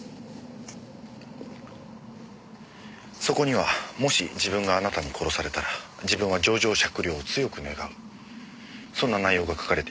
そこにはもし自分があなたに殺されたら自分は情状酌量を強く願うそんな内容が書かれています。